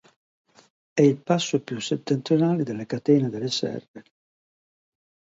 È il passo più settentrionale della catena delle Serre.